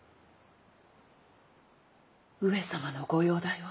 上様のご容体は。